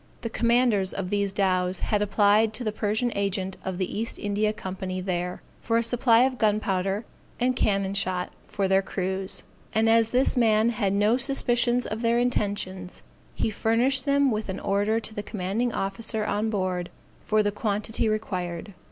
The commanders of these dows had applied to the Persian agent of the East India Company there, for a supply of gunpowder and cannon shot for their cruise: and as this man had no suspicions of their intentions, he furnished them with an order to the commanding officer on board for the quantity required.